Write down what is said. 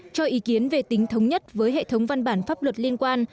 cho ý kiến về tính thống nhất với hệ thống văn bản pháp luật liên quan